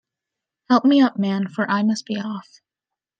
Help me up, man, for I must be off.